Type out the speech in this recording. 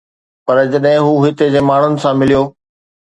پر جڏهن هو هتي جي ماڻهن سان مليو